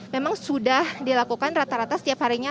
memang sudah dilakukan rata rata setiap harinya